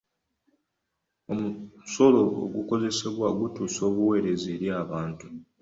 Omusolo gukozesebwa okutuusa obuweereza eri abantu.